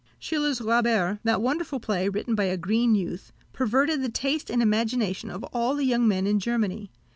Schiller's Räuber, that wonderful play, written by a green youth, perverted the taste and imagination of all the young men in Germany.